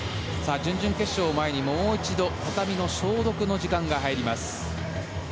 準々決勝を前にもう一度畳の消毒の時間が入ります。